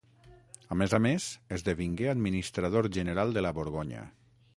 A més a més, esdevingué administrador general de la Borgonya.